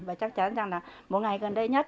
và chắc chắn rằng là một ngày gần đây nhất